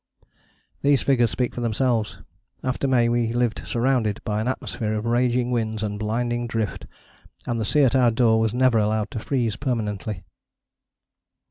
These figures speak for themselves: after May we lived surrounded by an atmosphere of raging winds and blinding drift, and the sea at our door was never allowed to freeze permanently.